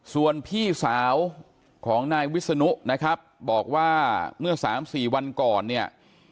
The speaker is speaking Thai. ส่วนพี่สาวของนายวิศนุนะครับบอกว่าเมื่อ๓๔วันก่อนเนี่ย